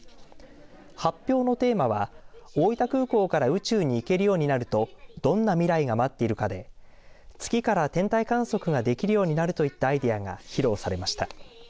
発表のテーマは大分空港から宇宙に行けるようになるとどんな未来が待っているかで月から天体観測ができるようになるといったアイデアが披露されました。